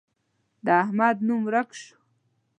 د احمد نوم ورک شو.